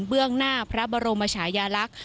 เบื้องหน้าพระบรมชายาลักษณ์